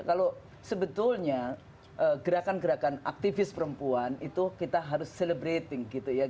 kalau sebetulnya gerakan gerakan aktivis perempuan itu kita harus celebrating gitu ya